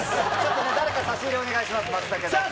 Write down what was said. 誰か差し入れお願いします、さあ